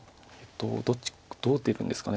どう出るんですかね